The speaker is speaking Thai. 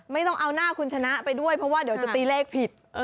ไม่ต้องเอาหน้าคุณชนะไปด้วยเพราะว่าเดี๋ยวจะตีเลขผิด